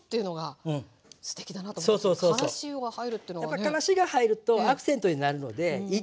やっぱからしが入るとアクセントになるのでいいと思います。